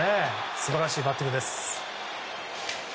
素晴らしいバッティングです。